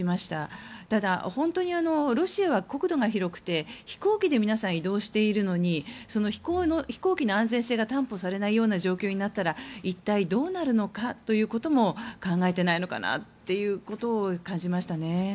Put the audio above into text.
ただ、本当にロシアは国土が広くて飛行機で皆さん、移動しているのに飛行機の安全性が担保されない状況になったら一体どうなるのかということも考えてないのかなということを感じました。